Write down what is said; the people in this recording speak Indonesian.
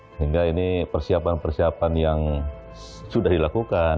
sehingga ini persiapan persiapan yang sudah dilakukan